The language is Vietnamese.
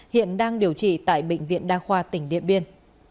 hiện đang điều trị tại bệnh viện đa khoa tỉnh điện biên